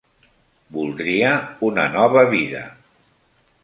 Voldria una nova vida.